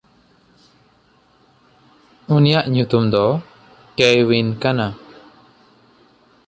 ᱩᱱᱤᱭᱟᱜ ᱧᱩᱛᱩᱢ ᱫᱚ ᱠᱮᱭᱶᱤᱱ ᱠᱟᱱᱟ᱾